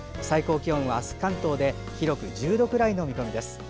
最高気温はあす、関東で広く１０度くらいの見込みです。